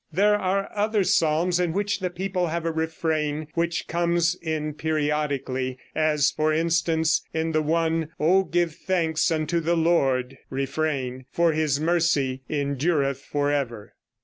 There are other psalms in which the people have a refrain which comes in periodically, as, for instance, in the one: "O give thanks unto the Lord; [refrain] for His mercy endureth forever."